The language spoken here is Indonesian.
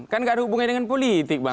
kan gak ada hubungannya dengan politik bang